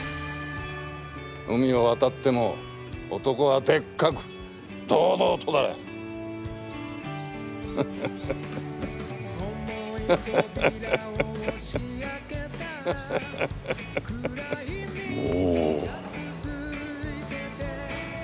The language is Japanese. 海を渡っても男はでっかく堂々とだ！モ。